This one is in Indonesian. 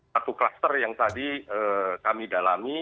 satu kluster yang tadi kami dalami